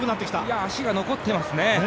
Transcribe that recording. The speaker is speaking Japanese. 足が残ってますね。